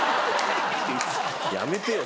やめてよ